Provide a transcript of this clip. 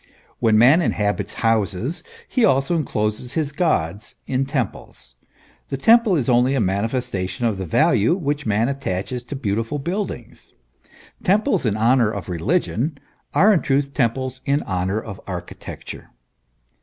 Where man inhabits houses, he also encloses his gods in temples. The temple is only a manifestation of the value which man attaches to beautiful buildings. Temples in honour of reli gion are in truth temples in honour of architecture.